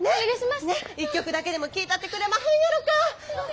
一曲だけでも聴いたってくれまへんやろか。